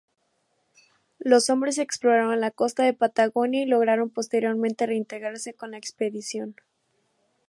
Los hombres exploraron la costa de Patagonia y lograron posteriormente reintegrarse con la expedición.